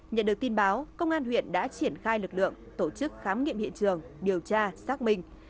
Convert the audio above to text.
nhận được tin báo công an huyện đã triển khai lực lượng tổ chức khám nghiệm hiện trường điều tra xác minh